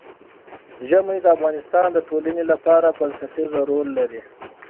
ژمی د افغانستان د ټولنې لپاره بنسټيز رول لري.